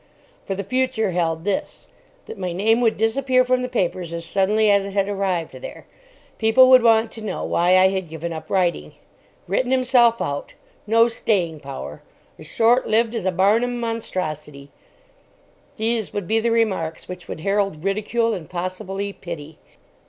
For the future held this: that my name would disappear from the papers as suddenly as it had arrived there. People would want to know why I had given up writing. "Written himself out," "No staying power," "As short lived as a Barnum monstrosity": these would be the remarks which would herald ridicule and possibly pity.